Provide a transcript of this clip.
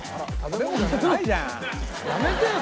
やめてよ